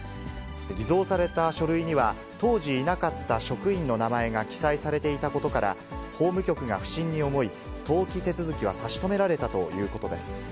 偽造された書類には、当時いなかった職員の名前が記載されていたことから、法務局が不審に思い、登記手続きは差し止められたということです。